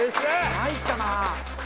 まいったな。